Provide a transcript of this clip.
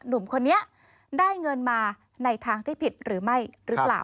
หนุ่มคนนี้ได้เงินมาในทางที่ผิดหรือไม่หรือเปล่า